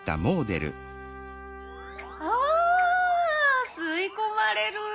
わ吸い込まれる！